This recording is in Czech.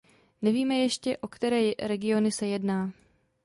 Nevíme ještě, o které regiony se jedná.